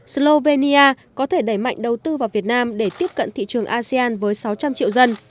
slovenia có thể đẩy mạnh đầu tư vào việt nam để tiếp cận thị trường asean với sáu trăm linh triệu dân